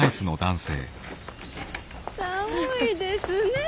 寒いですねえ。